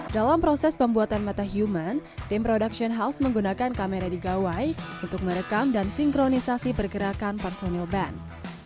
dalam proses pembuatan metahuman tim production house menggunakan kamera di gawai untuk merekam dan sinkronisasi pergerakan personil band